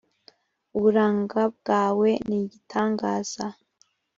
uburanga bwawe nigitangaza.